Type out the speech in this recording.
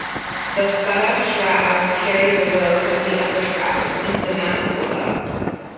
The futtock shrouds carry the load of the upper shrouds into the mast below.